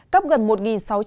cấp gần một sáu trăm linh đồng